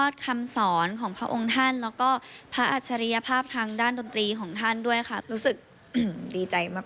สำหรับแจ้นักก็ดีใจ